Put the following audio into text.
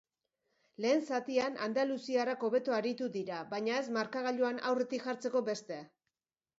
Lehen zatian, andaluziarrak hobeto aritu dira baina ez markagailuan aurretik jartzeko beste.